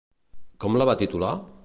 Com la va titular?